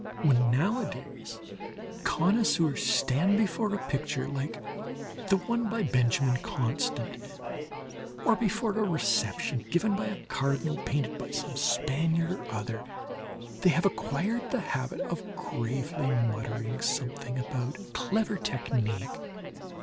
...When, nowadays, connoisseurs stand before a picture like the one by Benjamin Constant, or before a reception given by a Cardinal, painted by some Spaniard or other, they have acquired the habit of gravely muttering something about "clever technique."